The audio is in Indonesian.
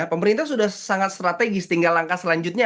pemerintah sudah sangat strategis tinggal langkah selanjutnya